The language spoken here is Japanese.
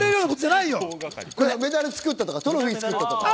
メダル作ったとか、トロフィー作ったとか。